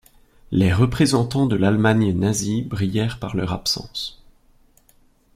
Les représentants de l'Allemagne nazie brillèrent par leur absence.